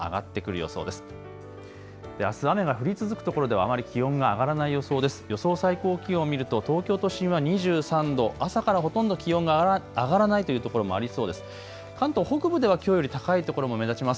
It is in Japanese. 予想最高気温、見ると東京都心は２３度、朝からほとんど気温が上がらないという所もありそうです。